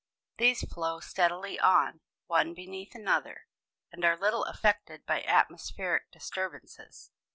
These flow steadily on, one beneath another, and are little affected by atmospheric disturbances.